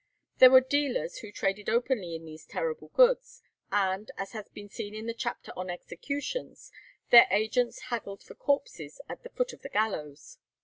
There were dealers who traded openly in these terrible goods, and, as has been seen in the chapter on executions, their agents haggled for corpses at the foot of the gallows.